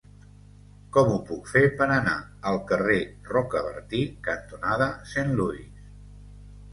Com ho puc fer per anar al carrer Rocabertí cantonada Saint Louis?